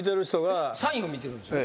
サインを見てるんですよね？